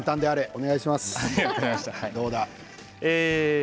お願いします。